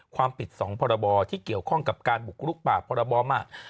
ความผิด๒พรบที่เกี่ยวข้องกับการบุกรุกป่าพรบมาก